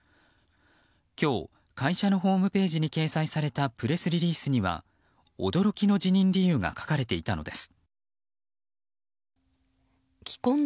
今日会社にホームページに掲載されたプレスリリースには驚きの辞任理由が書かれていたのです。